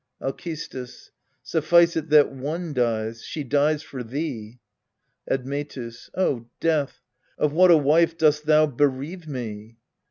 Alcestis. Suffice it that one dies she dies for thee. Admetus. O Death, of what a wife dost thou bereave me